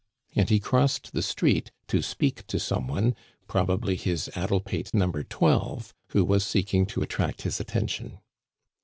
And he crossed the street to speak to some one, probably his addle pate number twelve, who was seeking to attract his attention.